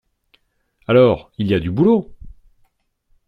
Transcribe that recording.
Alors, il y a du boulot!